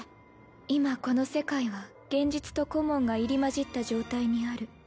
今この世界は現実とコモンが入り交じった状態にある。